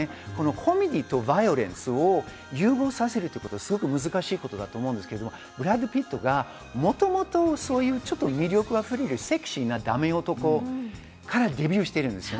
コメディとバイオレンスを融合させるということはすごく難しいことだと思いますが、ブラッド・ピットがもともとそういう魅力あふれるセクシーなダメ男からデビューしてるんです。